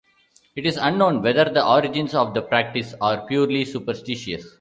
It is unknown whether the origins of the practice are purely superstitious.